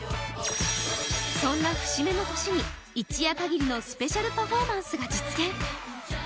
そんな節目の年に一夜限りのスペシャルメドレーが実現。